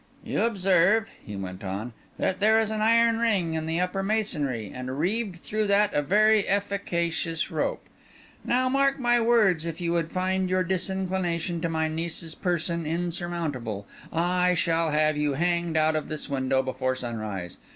"You observe," he went on, "there is an iron ring in the upper masonry, and reeved through that, a very efficacious rope. Now, mark my words; if you should find your disinclination to my niece's person insurmountable, I shall have you hanged out of this window before sunrise.